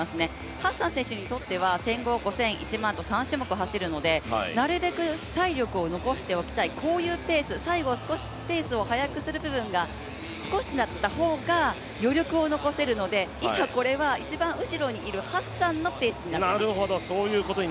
ハッサン選手にとっては１５００、５０００１００００ｍと３種目走るのでなるべく体力を残しておきたい、こういうペース、最後、少しペースを速くする部分が少しの方が余力を残せるので今、これは一番後ろにいるハッサンのペースになっています。